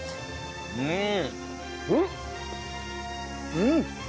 うん！